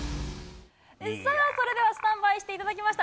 さあ、それではスタンバイしていただきました。